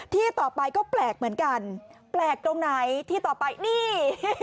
ที่ต่อไปก็แปลกเหมือนกันแปลกตรงไหนที่ต่อไปนี่